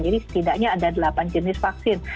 jadi setidaknya ada delapan jenis vaksin